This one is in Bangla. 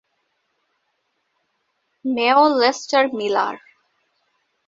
Mayor Lester Miller.